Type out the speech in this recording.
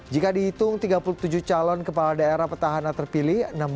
jika dihitung tiga puluh tujuh calon kepala daerah petahana terpilih